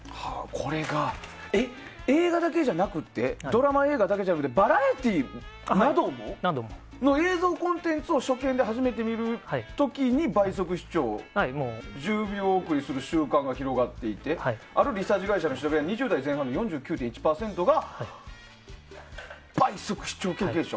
ドラマ、映画だけじゃなくてバラエティーなども？などの映像コンテンツを初見で初めて見る時に倍速視聴を１０秒送りする習慣が広がっていてあるリサーチ会社の調べでは２０代前半の４９．１％が倍速視聴経験者。